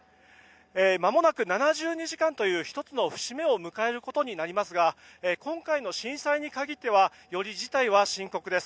まもなく７２時間という１つの節目を迎えることになりますが今回の震災に限ってはより事態は深刻です。